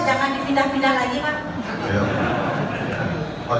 jangan dipindah pindah pak jangan dipindah pindah pak